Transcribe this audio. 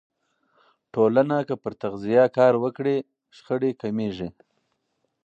ټولنه که پر تغذیه کار وکړي، شخړې کمېږي.